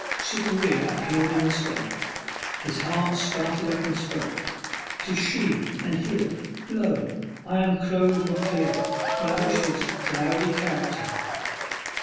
Cytherea appeared in the sky: his heart started up and spoke: 'Tis She, and here Lo! I unclothe and clear My wishes' cloudy character.